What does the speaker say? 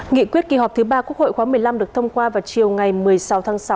nghị quyết kỳ họp thứ ba quốc hội khóa một mươi năm được thông qua vào chiều ngày một mươi sáu tháng sáu